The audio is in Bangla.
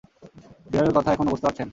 বিড়ালের কথা এখনো বুঝতে পারছেন?